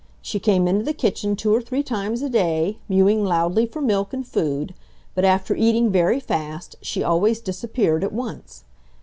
She came into the kitchen two or three times a day, mewing loudly for milk and food, but after eating very fast she always disappeared at once.